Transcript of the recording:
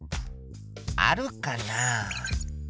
あるかな？